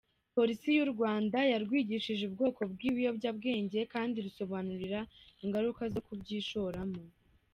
Polisi y’u Rwanda yarwigishije ubwoko bw’ibiyobyabwenge kandi irusobanurira ingaruka zo kubyishoramo.